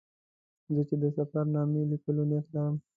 زه چې د سفر نامې لیکلو نیت لرم.